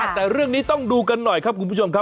แต่เรื่องนี้ต้องดูกันหน่อยครับคุณผู้ชมครับ